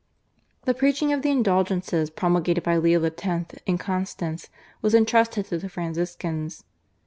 The preaching of the Indulgences promulgated by Leo X. in Constance was entrusted to the Franciscans.